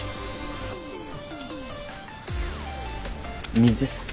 水です。